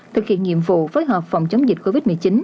thực hiện nhiệm vụ phối hợp phòng chống dịch covid một mươi chín